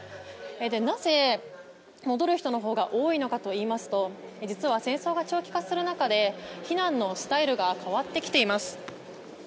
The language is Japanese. なぜ、戻る人のほうが多いのかといいますと実は戦争が長期化する中で避難のスタイルが変わってきています。